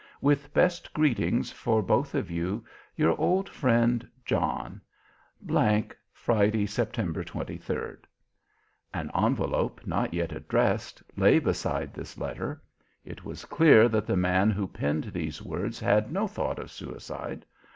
With best greetings for both of you, Your old friend, John G , Friday, Sept. 23rd. An envelope, not yet addressed, lay beside this letter. It was clear that the man who penned these words had no thought of suicide.